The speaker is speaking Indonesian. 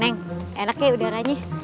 neng enak ya udaranya